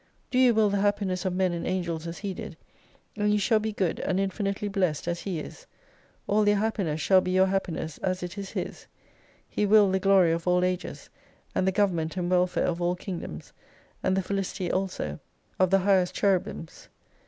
Do you will the happiness oi men and angels as He did, and you shall be good, and infinitely blessed as He is. All their happiness shall be your happiness as it is His. He willed the glory of all ages, and the government and welfare of all Kingdoms, and the felicity also of the 36 highest cherubi'nis.